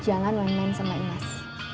jalan main main sama imas